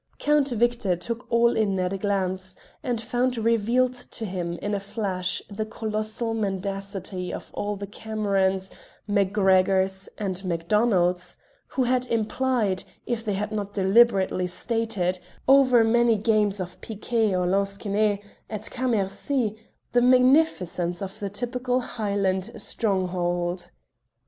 Count Victor took all in at a glance and found revealed to him in a flash the colossal mendacity of all the Camerons, Macgregors, and Macdonalds who had implied, if they had not deliberately stated, over many games of piquet or lansquenet at Cammercy, the magnificence of the typical Highland stronghold.